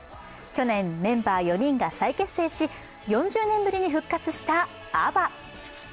去年、メンバー４人が再結成し４０年ぶりに復活したＡＢＢＡ。